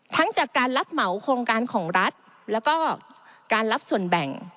จากการรับเหมาโครงการของรัฐแล้วก็การรับส่วนแบ่ง